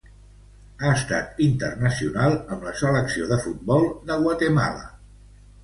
Ha estat internacional amb la selecció de futbol de Guatemala.